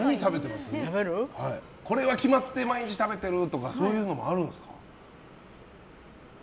これは決まって毎日食べてるとかそういうのもあるんですか。